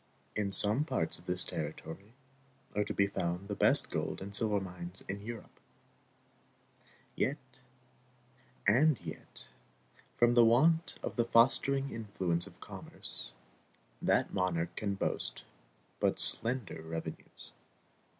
In some parts of this territory are to be found the best gold and silver mines in Europe. And yet, from the want of the fostering influence of commerce, that monarch can boast but slender revenues.